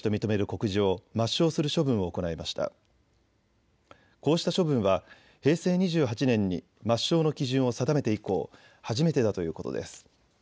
こうした処分は平成２８年に抹消の基準を定めて以降、初めてだということです。